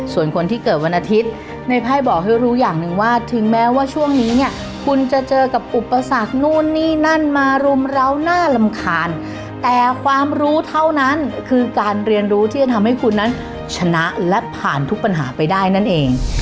ส่วนคนที่เกิดวันอาทิตย์ในไพ่บอกให้รู้อย่างหนึ่งว่าถึงแม้ว่าช่วงนี้เนี่ยคุณจะเจอกับอุปสรรคนู่นนี่นั่นมารุมเราน่ารำคาญแต่ความรู้เท่านั้นคือการเรียนรู้ที่จะทำให้คุณนั้นชนะและผ่านทุกปัญหาไปได้นั่นเอง